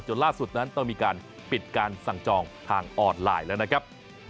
ล่าสุดนั้นต้องมีการปิดการสั่งจองทางออนไลน์แล้วนะครับ